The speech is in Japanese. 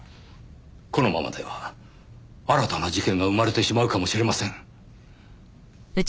このままでは新たな事件が生まれてしまうかもしれません。